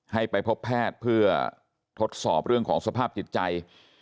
ให้ไปพบแพทย์เพื่อทดสอบเรื่องของสภาพจิตใจ